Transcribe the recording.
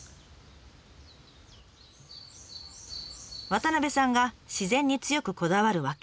渡部さんが自然に強くこだわる訳。